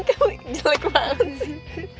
kau jelek banget sih